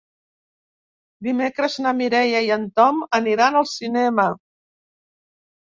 Dimecres na Mireia i en Tom aniran al cinema.